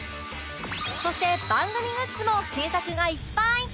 そして番組グッズも新作がいっぱい！